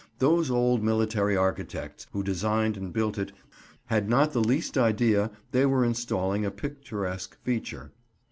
Those old military architects who designed and built it had not the least idea they were installing a picturesque feature.